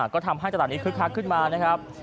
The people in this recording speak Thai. ก็ทำให้ตลาดนี้คึกคักขึ้นมานะครับ